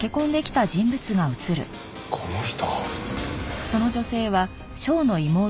この人。